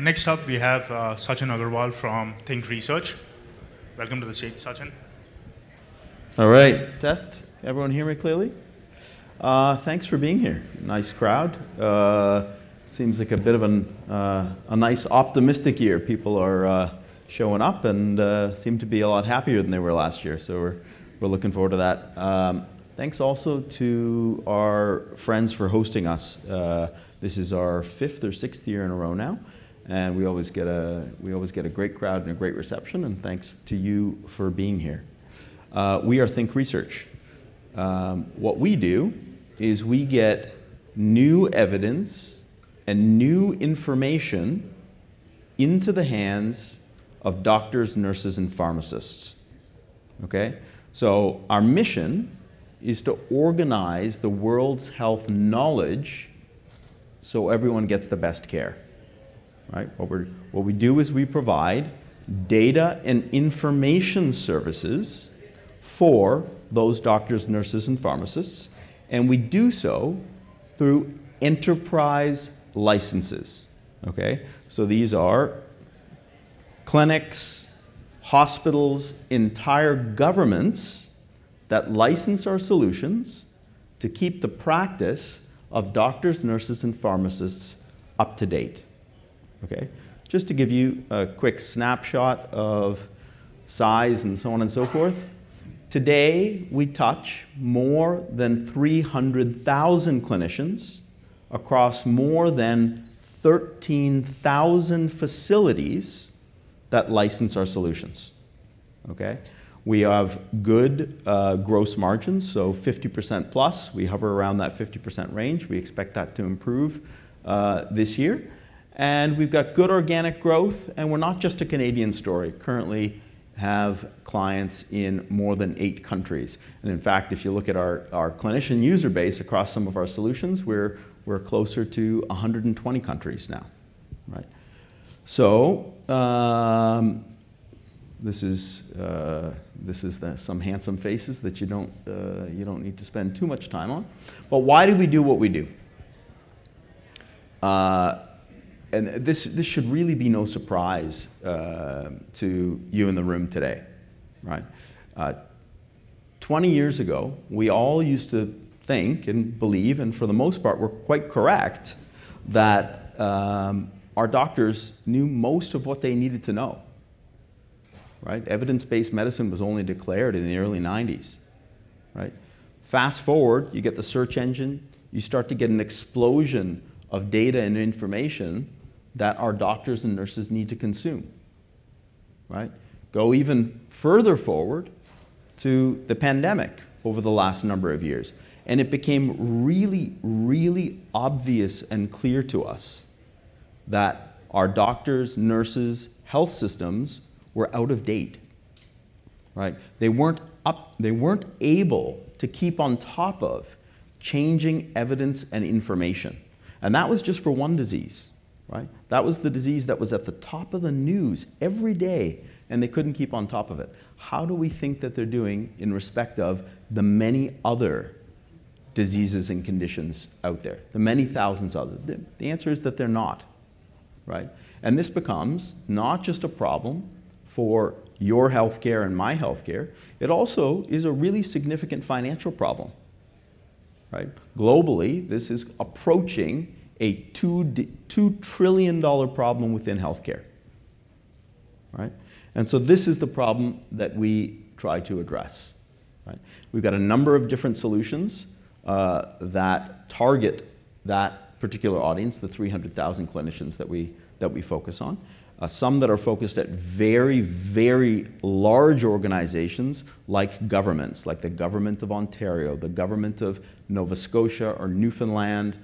Next up, we have, Sachin Aggarwal from Think Research. Welcome to the stage, Sachin. All right. Test. Everyone hear me clearly? Thanks for being here. Nice crowd. Seems like a bit of a nice optimistic year. People are showing up and seem to be a lot happier than they were last year. We're looking forward to that. Thanks also to our friends for hosting us. This is our fifth or sixth year in a row now, we always get a great crowd and a great reception. Thanks to you for being here. We are Think Research. What we do is we get new evidence and new information into the hands of doctors, nurses, and pharmacists. Okay? Our mission is to organize the world's health knowledge so everyone gets the best care. Right? What we do is we provide data and information services for those doctors, nurses, and pharmacists, and we do so through enterprise licenses. Okay? These are clinics, hospitals, entire governments that license our solutions to keep the practice of doctors, nurses, and pharmacists up to date. Okay? Just to give you a quick snapshot of size and so on and so forth, today, we touch more than 300,000 clinicians across more than 13,000 facilities that license our solutions. Okay? We have good gross margins, so 50%+. We hover around that 50% range. We expect that to improve this year. We've got good organic growth, and we're not just a Canadian story. Currently have clients in more than eight countries. In fact, if you look at our clinician user base across some of our solutions, we're closer to 120 countries now. Right? This is some handsome faces that you don't need to spend too much time on. Why do we do what we do? This, this should really be no surprise to you in the room today, right? 20 years ago, we all used to think and believe, and for the most part were quite correct, that our doctors knew most of what they needed to know, right? Evidence-based medicine was only declared in the early 1990s, right? Fast-forward, you get the search engine, you start to get an explosion of data and information that our doctors and nurses need to consume, right? Go even further forward to the pandemic over the last number of years, it became really, really obvious and clear to us that our doctors, nurses, health systems were out of date. Right? They weren't able to keep on top of changing evidence and information. That was just for one disease, right? That was the disease that was at the top of the news every day, and they couldn't keep on top of it. How do we think that they're doing in respect of the many other diseases and conditions out there, the many thousands of them? The answer is that they're not, right? This becomes not just a problem for your healthcare and my healthcare, it also is a really significant financial problem, right? Globally, this is approaching a $2 trillion problem within healthcare, right? This is the problem that we try to address, right? We've got a number of different solutions that target that particular audience, the 300,000 clinicians that we focus on. Some that are focused at very, very large organizations like governments, like the Government of Ontario, the Government of Nova Scotia or Newfoundland,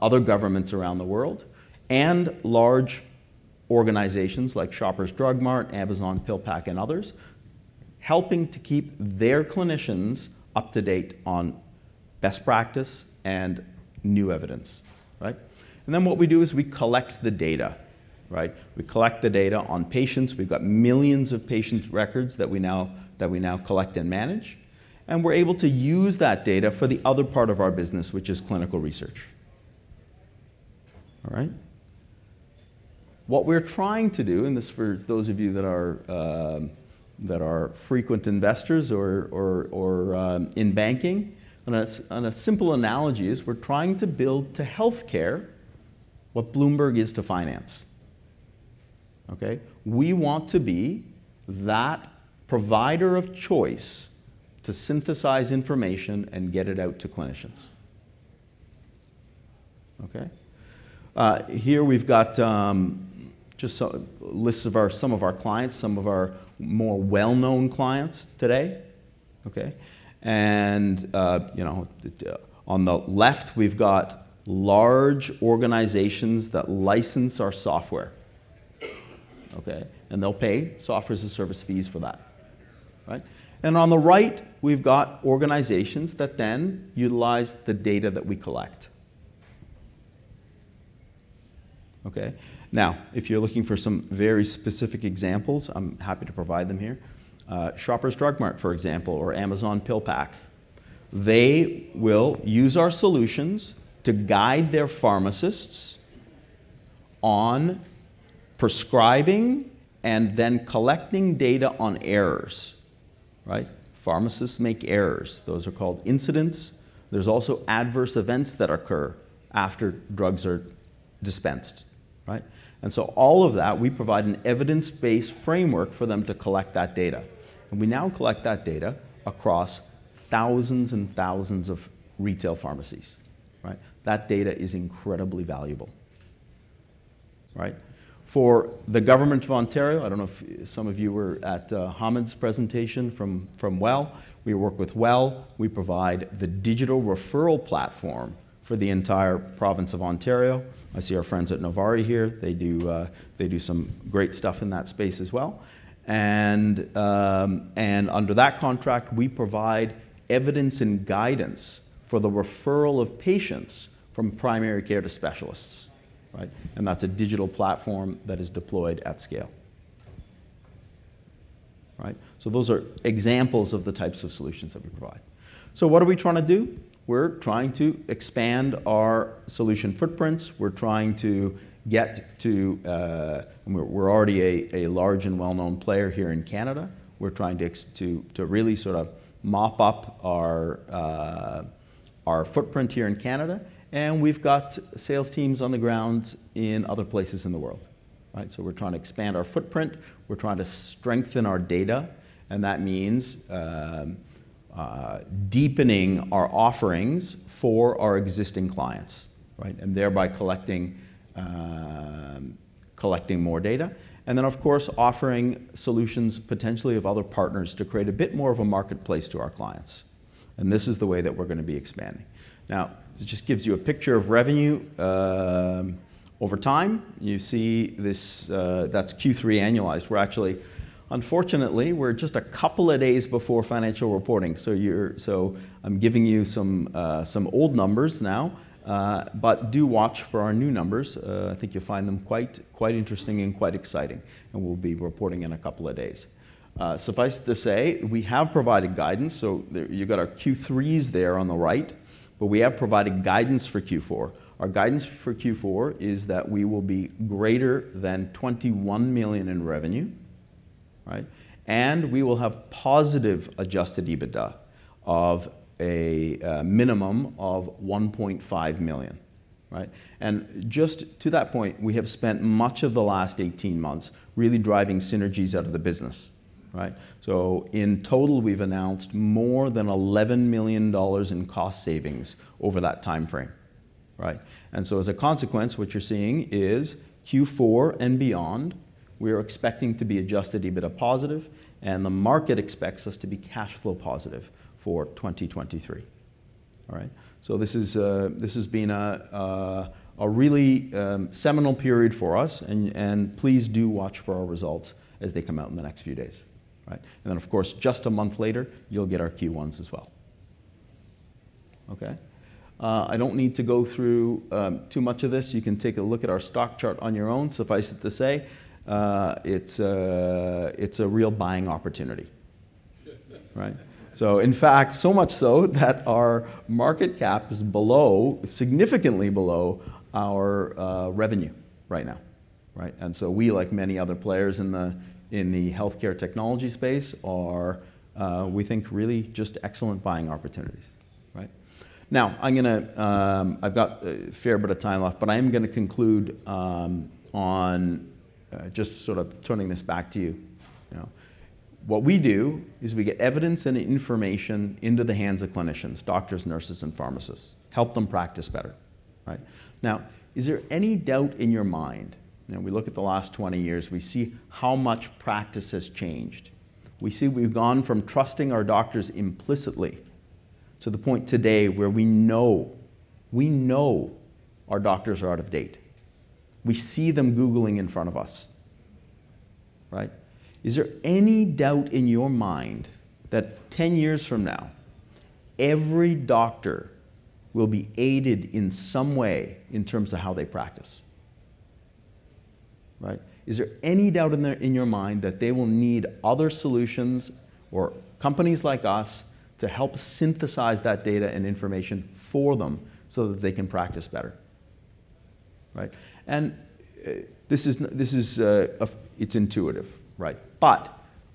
other governments around the world, and large organizations like Shoppers Drug Mart, Amazon PillPack, and others, helping to keep their clinicians up to date on best practice and new evidence, right? What we do is we collect the data, right? We collect the data on patients. We've got millions of patients' records that we now collect and manage, and we're able to use that data for the other part of our business, which is clinical research, all right? What we're trying to do, and this is for those of you that are frequent investors or in banking, and a simple analogy is we're trying to build to healthcare what Bloomberg is to finance. Okay? We want to be that provider of choice to synthesize information and get it out to clinicians. Okay? Here we've got just some lists of our clients, some of our more well-known clients today, okay? You know, on the left, we've got large organizations that license our software. Okay? They'll pay software as a service fees for that, right? On the right, we've got organizations that then utilize the data that we collect. Okay? Now, if you're looking for some very specific examples, I'm happy to provide them here. Shoppers Drug Mart, for example, or Amazon PillPack. They will use our solutions to guide their pharmacists on prescribing and then collecting data on errors, right? Pharmacists make errors. Those are called incidents. There's also adverse events that occur after drugs are dispensed, right? All of that, we provide an evidence-based framework for them to collect that data. We now collect that data across thousands and thousands of retail pharmacies, right? That data is incredibly valuable, right? For the Government of Ontario, I don't know if some of you were at Hamed's presentation from WELL. We work with WELL. We provide the digital referral platform for the entire province of Ontario. I see our friends at Novari here. They do some great stuff in that space as well. Under that contract, we provide evidence and guidance for the referral of patients from primary care to specialists, right? That's a digital platform that is deployed at scale. Right? Those are examples of the types of solutions that we provide. What are we trying to do? We're trying to expand our solution footprints. We're trying to get to. We're already a large and well-known player here in Canada. We're trying to really mop up our footprint here in Canada. We've got sales teams on the ground in other places in the world, right? We're trying to expand our footprint. We're trying to strengthen our data, and that means deepening our offerings for our existing clients, right? Thereby collecting more data. Of course, offering solutions potentially of other partners to create a bit more of a marketplace to our clients. This is the way that we're gonna be expanding. This just gives you a picture of revenue over time. You see this, that's Q3 annualized. Unfortunately, we're just a couple of days before financial reporting, so I'm giving you some old numbers now, but do watch for our new numbers. I think you'll find them quite interesting and quite exciting, and we'll be reporting in a couple of days. Suffice to say, we have provided guidance, you've got our Q3s there on the right, but we have provided guidance for Q4. Our guidance for Q4 is that we will be greater than 21 million in revenue. We will have positive adjusted EBITDA of a minimum of 1.5 million. Just to that point, we have spent much of the last 18 months really driving synergies out of the business. In total, we've announced more than 11 million dollars in cost savings over that timeframe. As a consequence, what you're seeing is Q4 and beyond, we're expecting to be adjusted EBITDA positive, and the market expects us to be cash flow positive for 2023. This is, this has been a really seminal period for us and please do watch for our results as they come out in the next few days. Right? Of course, just a month later, you'll get our Q1s as well. Okay. I don't need to go through too much of this. You can take a look at our stock chart on your own. Suffice it to say, it's a real buying opportunity. Right? In fact, so much so that our market cap is below, significantly below our revenue right now, right? We, like many other players in the healthcare technology space, are, we think, really just excellent buying opportunities, right? I've got a fair bit of time left, but I am gonna conclude on just turning this back to you. What we do is we get evidence and information into the hands of clinicians, doctors, nurses, and pharmacists, help them practice better, right? Is there any doubt in your mind? You know, we look at the last 20 years, we see how much practice has changed. We see we've gone from trusting our doctors implicitly to the point today where we know our doctors are out of date. We see them googling in front of us, right? Is there any doubt in your mind that 10 years from now, every doctor will be aided in some way in terms of how they practice? Right? Is there any doubt in your mind that they will need other solutions or companies like us to help synthesize that data and information for them so that they can practice better, right? This is intuitive, right?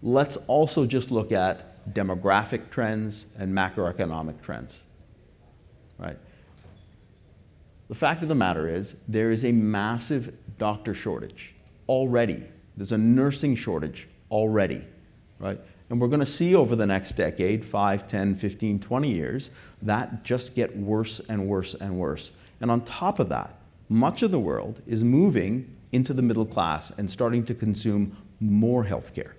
Let's also just look at demographic trends and macroeconomic trends, right? The fact of the matter is there is a massive doctor shortage already. There's a nursing shortage already, right? We're gonna see over the next decade, five, 10, 15, 20 years, that just get worse and worse and worse. On top of that, much of the world is moving into the middle class and starting to consume more healthcare,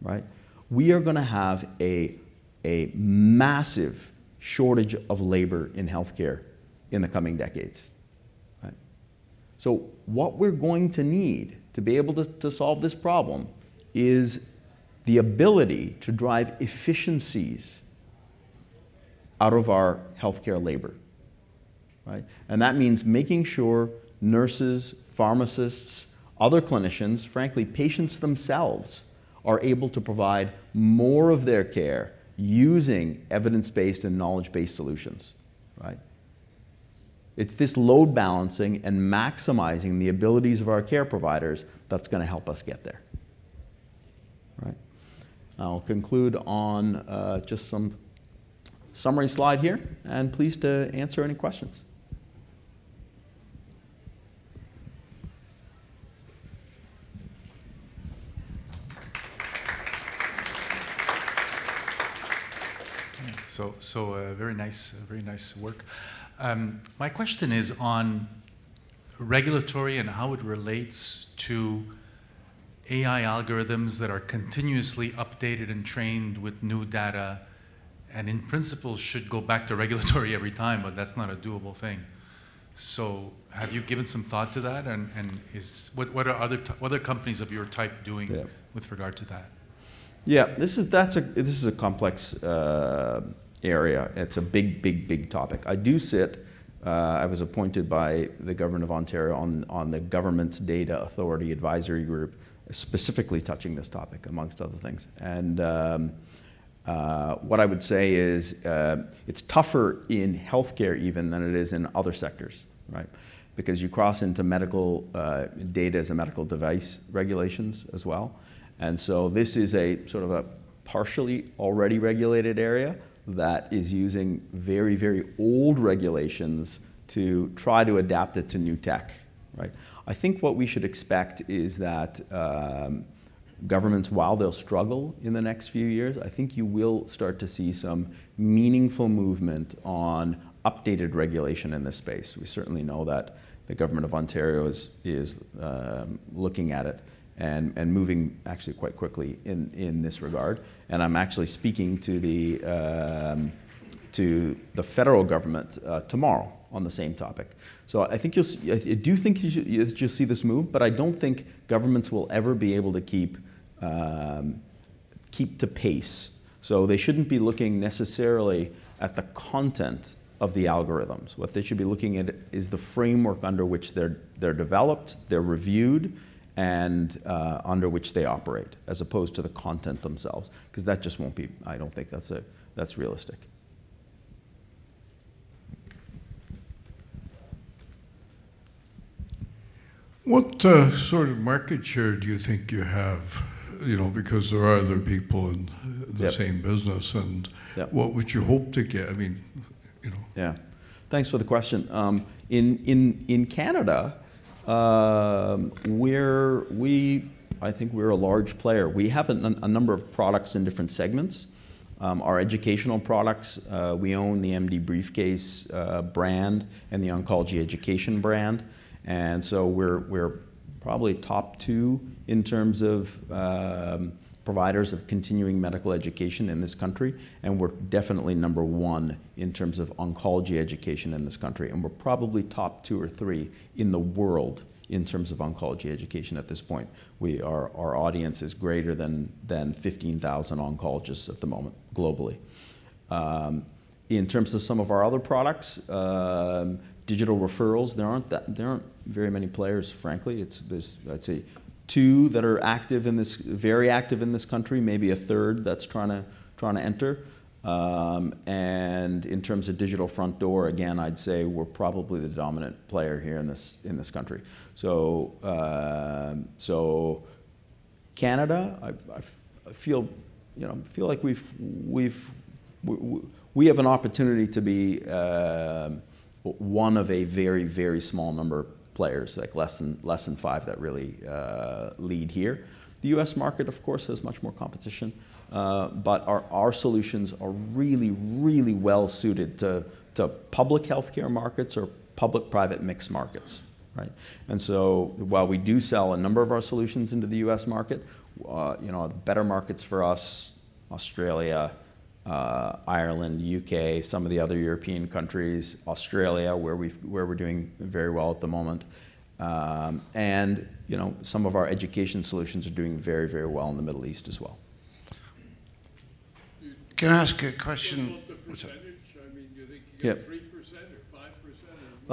right? We are gonna have a massive shortage of labor in healthcare in the coming decades, right? What we're going to need to be able to solve this problem is the ability to drive efficiencies out of our healthcare labor. Right? That means making sure nurses, pharmacists, other clinicians, frankly, patients themselves are able to provide more of their care using evidence-based and knowledge-based solutions. Right? It's this load balancing and maximizing the abilities of our care providers that's gonna help us get there. Right? I'll conclude on just some summary slide here, and pleased to answer any questions. Very nice work. My question is on regulatory and how it relates to AI algorithms that are continuously updated and trained with new data, and in principle should go back to regulatory every time, but that's not a doable thing. Have you given some thought to that and what are other companies of your type doing? Yeah with regard to that? Yeah. This is a complex area. It's a big, big topic. I do sit, I was appointed by the Governor of Ontario on the government's data authority advisory group, specifically touching this topic, amongst other things. What I would say is, it's tougher in healthcare even than it is in other sectors, right? Because you cross into medical data as a medical device regulations as well. So this is a partially already regulated area that is using very, very old regulations to try to adapt it to new tech, right? I think what we should expect is that governments, while they'll struggle in the next few years, I think you will start to see some meaningful movement on updated regulation in this space. We certainly know that the Government of Ontario is looking at it and moving actually quite quickly in this regard. I'm actually speaking to the federal government tomorrow on the same topic. I think I do think you'll see this move, but I don't think governments will ever be able to keep to pace. They shouldn't be looking necessarily at the content of the algorithms. What they should be looking at is the framework under which they're developed, they're reviewed, and under which they operate, as opposed to the content themselves, because that just won't be I don't think that's realistic. What sort of market share do you think you have because there are other people? Yeah The same business. Yeah What would you hope to get? I mean, you know. Yeah. Thanks for the question. In Canada, I think we're a large player. We have a number of products in different segments. Our educational products, we own the MDBriefCase brand and the OncologyEducation brand. we're probably top two in terms of providers of continuing medical education in this country, and we're definitely number one in terms of oncology education in this country. we're probably top two or three in the world in terms of oncology education at this point. Our audience is greater than 15,000 oncologists at the moment globally. In terms of some of our other products, digital referrals, there aren't very many players, frankly. It's, there's, I'd say two that are active in this, very active in this country, maybe a third that's trying to enter. In terms of digital front door, again, I'd say we're probably the dominant player here in this country. Canada, I feel like we have an opportunity to be one of a very, very small number of players, like less than five that really lead here. The U.S. market, of course, has much more competition. Our solutions are really well suited to public healthcare markets or public-private mixed markets, right? While we do sell a number of our solutions into the U.S. market, better markets for us, Australia, Ireland, U.K., some of the other European countries, Australia, where we're doing very well at the moment. And, some of our education solutions are doing very, very well in the Middle East as well. Can I ask a question? What's the percentage? I mean, do you think- Yeah You're 3%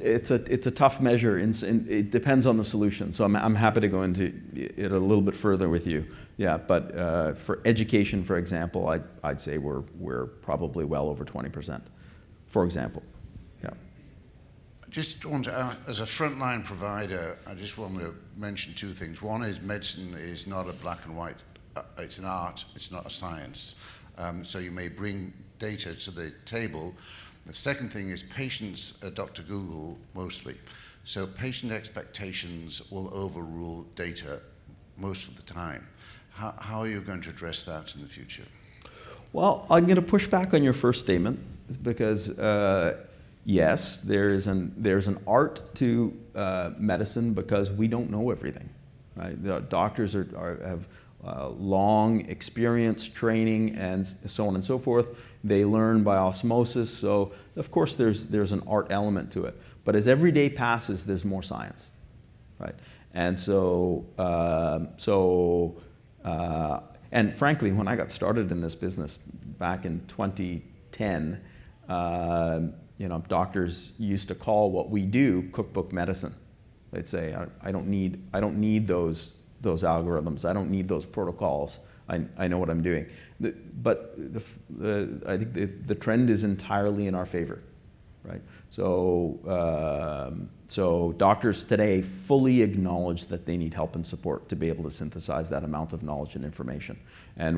or 5%. It's a tough measure. It's, and it depends on the solution. I'm happy to go into it a little bit further with you. Yeah. For education, for example, I'd say we're probably well over 20%, for example. Yeah. Just want to as a frontline provider, I just want to mention two things. One is medicine is not a black and white. It's an art, it's not a science. You may bring data to the table. The second thing is patients adopt to Google mostly. Patient expectations will overrule data most of the time. How are you going to address that in the future? Well, I'm gonna push back on your first statement just because, yes, there is an art to medicine because we don't know everything, right? The doctors have long experience, training, and so on and so forth. They learn by osmosis. Of course, there's an art element to it. As every day passes, there's more science. Right. Frankly, when I got started in this business back in 2010, doctors used to call what we do cookbook medicine. They'd say, "I don't need those algorithms. I don't need those protocols. I know what I'm doing." The, I think the trend is entirely in our favor, right? Doctors today fully acknowledge that they need help and support to be able to synthesize that amount of knowledge and information.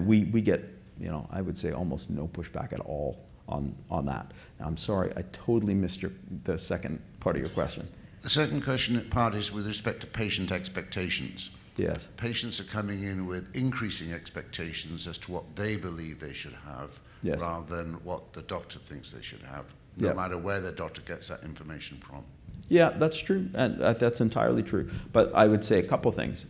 We get, you know, I would say almost no pushback at all on that. I'm sorry, I totally missed the second part of your question. The second question, it part is with respect to patient expectations. Yes. Patients are coming in with increasing expectations as to what they believe they should have. Yes rather than what the doctor thinks they should have. Yeah no matter where the doctor gets that information from. Yeah, that's true. That's entirely true. I would say a couple things.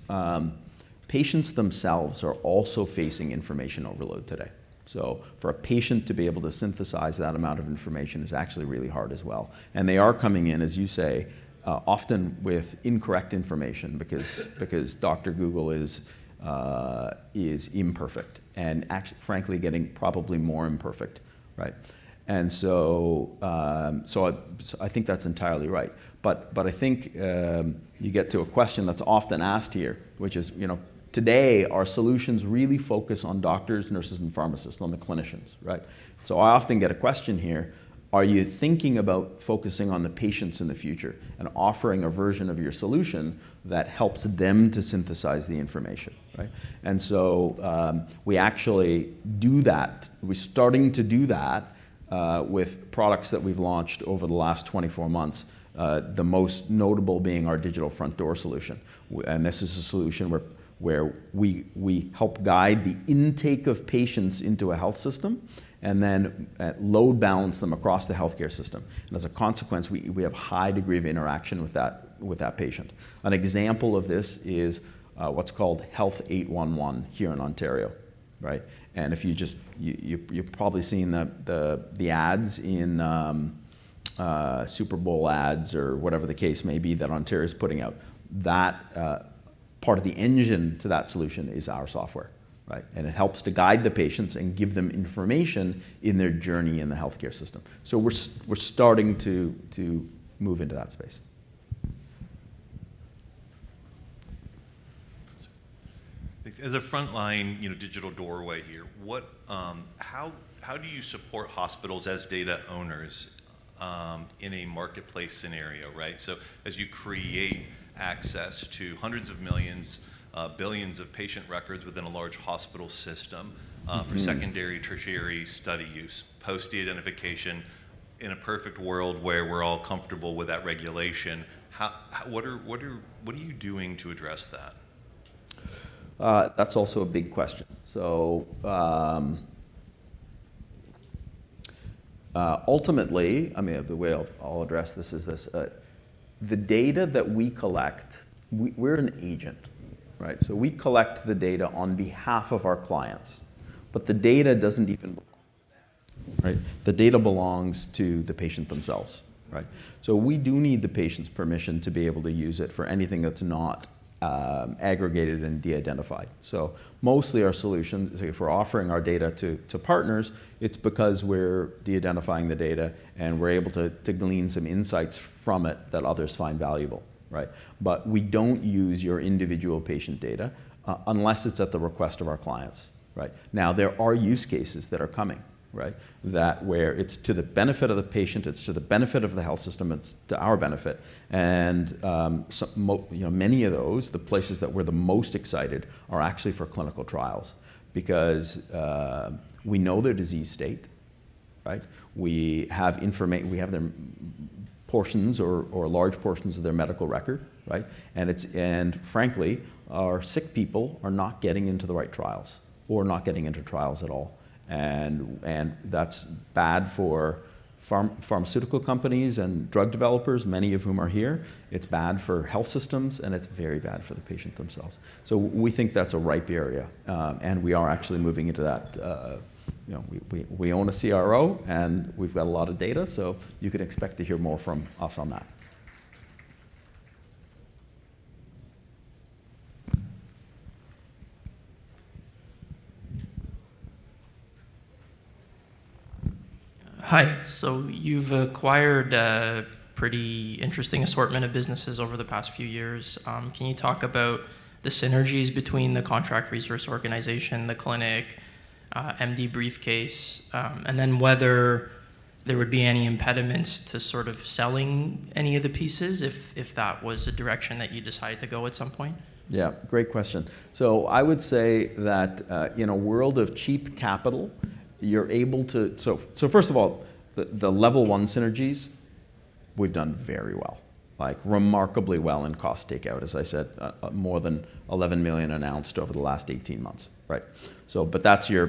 Patients themselves are also facing information overload today. For a patient to be able to synthesize that amount of information is actually really hard as well. They are coming in, as you say, often with incorrect information because Dr. Google is imperfect and frankly, getting probably more imperfect, right? I think that's entirely right. I think you get to a question that's often asked here, which is, today our solutions really focus on doctors, nurses, and pharmacists, on the clinicians, right? I often get a question here: Are you thinking about focusing on the patients in the future and offering a version of your solution that helps them to synthesize the information, right? We actually do that. We're starting to do that with products that we've launched over the last 24 months, the most notable being our digital front door solution. This is a solution where we help guide the intake of patients into a health system and then load balance them across the healthcare system. As a consequence, we have high degree of interaction with that patient. An example of this is what's called Health811 here in Ontario, right? If you've probably seen the ads in Super Bowl ads or whatever the case may be that Ontario is putting out. Part of the engine to that solution is our software, right? It helps to guide the patients and give them information in their journey in the healthcare system. We're starting to move into that space. As a frontline, you know, digital doorway here. How do you support hospitals as data owners, in a marketplace scenario, right? As you create access to hundreds of millions, billions of patient records within a large hospital system for secondary, tertiary study use, post-identification, in a perfect world where we're all comfortable with that regulation, how, what are you doing to address that? That's also a big question. Ultimately, I mean, the way I'll address this is this. The data that we collect, we're an agent, right? We collect the data on behalf of our clients, but the data doesn't even belong to them, right? The data belongs to the patient themselves, right? We do need the patient's permission to be able to use it for anything that's not aggregated and de-identified. Mostly our solutions, say if we're offering our data to partners, it's because we're de-identifying the data, and we're able to glean some insights from it that others find valuable, right? We don't use your individual patient data unless it's at the request of our clients, right? There are use cases that are coming, right, that where it's to the benefit of the patient, it's to the benefit of the health system, it's to our benefit. So, many of those, the places that we're the most excited are actually for clinical trials because we know their disease state, right? We have their portions or large portions of their medical record, right? Frankly, our sick people are not getting into the right trials or not getting into trials at all. That's bad for pharmaceutical companies and drug developers, many of whom are here. It's bad for health systems, and it's very bad for the patient themselves. We think that's a ripe area, and we are actually moving into that. You know, we own a CRO, and we've got a lot of data, so you can expect to hear more from us on that. Hi. You've acquired a pretty interesting assortment of businesses over the past few years. Can you talk about the synergies between the contract research organization, the clinic, MDBriefCase, and then whether there would be any impediments to sort of selling any of the pieces if that was a direction that you decided to go at some point? Yeah. Great question. I would say that, in a world of cheap capital, you're able to... First of all, the level one synergies, we've done very well, like remarkably well in cost takeout. As I said, more than 11 million announced over the last 18 months, right? But that's your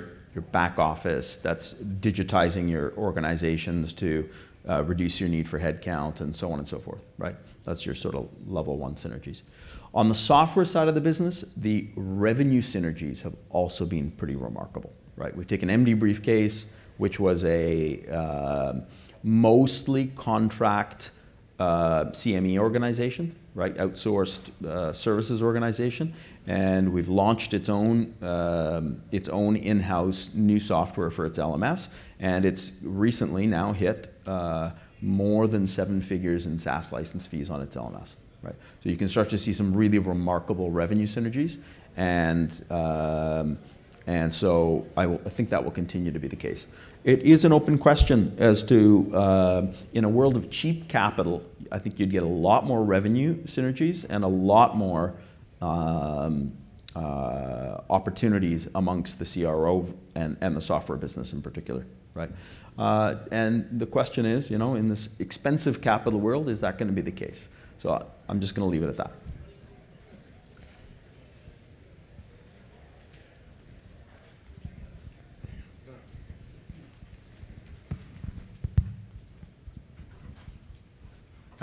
back office. That's digitizing your organizations to reduce your need for headcount and so on and so forth, right? That's your level one synergies. On the software side of the business, the revenue synergies have also been pretty remarkable, right? We've taken MDBriefCase, which was a mostly contract CME organization, right, outsourced services organization, and we've launched its own, its own in-house new software for its LMS. It's recently now hit more than seven figures in SaaS license fees on its LMS, right? You can start to see some really remarkable revenue synergies. I think that will continue to be the case. It is an open question as to in a world of cheap capital, I think you'd get a lot more revenue synergies and a lot more opportunities amongst the CRO and the software business in particular, right? The question is in this expensive capital world, is that gonna be the case? I'm just gonna leave it at that.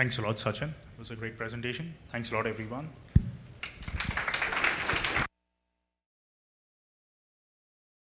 Thanks a lot, Sachin. It was a great presentation. Thanks a lot, everyone.